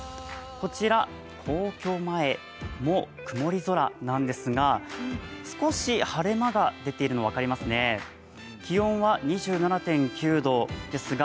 こちら皇居前も曇り空なんですが、少し晴れ間が出ているの、分かりますね。